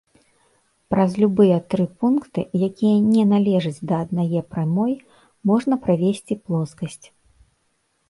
Праз любыя тры пункты, якія не належаць да аднае прамой, можна правесці плоскасць.